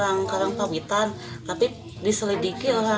sehingga kini belum diketahui